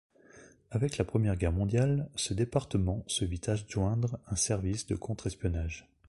Avec la Première Guerre mondiale, ce département se vit adjoindre un service de contre-espionnage.